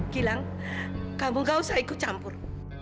gilang kampung gak usah ikut campur